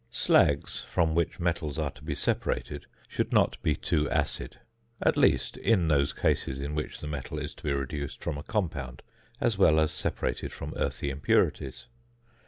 Slags from which metals are to be separated should not be too acid; at least, in those cases in which the metal is to be reduced from a compound, as well as separated from earthy impurities.